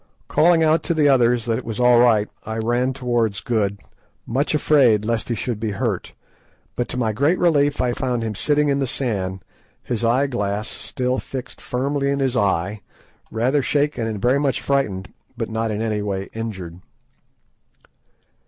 Calling out to the others that it was all right, I ran towards Good, much afraid lest he should be hurt, but to my great relief I found him sitting in the sand, his eye glass still fixed firmly in his eye, rather shaken and very much frightened, but not in any way injured.